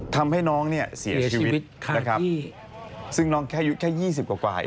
ทำให้น้องเนี่ยเสียชีวิตนะครับซึ่งน้องแค่อายุแค่๒๐กว่าเอง